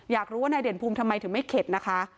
อยากรู้ว่านายเด่นภูมิทำไมถึงไม่เข็ดนะคะ